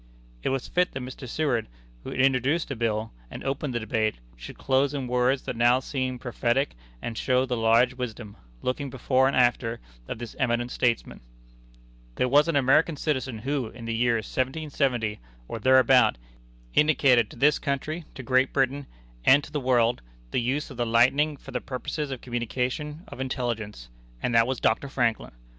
It was fit that Mr. Seward, who introduced the bill, and opened the debate, should close in words that now seem prophetic, and show the large wisdom, looking before and after, of this eminent statesman: "There was an American citizen who, in the year 1770, or thereabout, indicated to this country, to Great Britain, and to the world, the use of the lightning for the purposes of communication of intelligence, and that was Dr. Franklin.